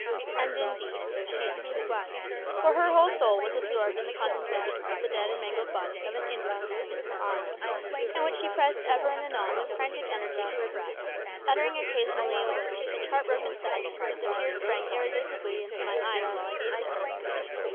And indeed so she actually was; for her whole soul was absorbed in the contemplation of the dead and mangled body of an infant which lay in her arms, and which she pressed ever and anon with frantic energy to her breast, uttering occasionally a wail of such heart broken sadness that the tears sprang irresistibly into my eyes while I gazed upon her.